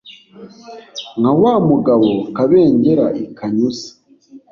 nka wa mugabo kabengera i kanyuza.